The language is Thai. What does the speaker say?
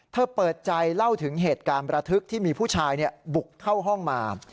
เปิดใจเล่าถึงเหตุการณ์ประทึกที่มีผู้ชายบุกเข้าห้องมา